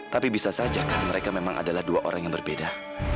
tapi bisa saja kan mereka memang adalah dua orang yang berbeda